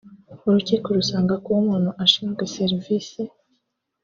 urukiko rusanga kuba umuntu ashinzwe serivisi